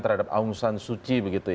terhadap aung san suu kyi